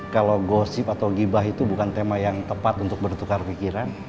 kalau gosip atau gibah itu bukan tema yang tepat untuk bertukar pikiran